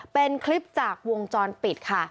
เป็นคลิปจากวงจรปิดค่ะ